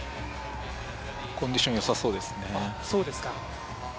コンディションよさそうですね。